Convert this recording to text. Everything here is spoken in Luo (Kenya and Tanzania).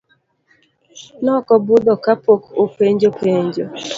Nokobudho ka pok openjo penjo.